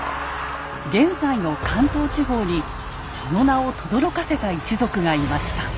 現在の関東地方にその名をとどろかせた一族がいました。